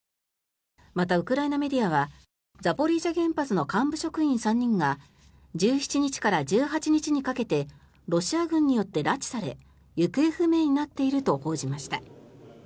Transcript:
またウクライナメディアはザポリージャ原発の幹部職員３人が１７日から１８日にかけてロシア軍によって拉致され行方不明になっていると報じました。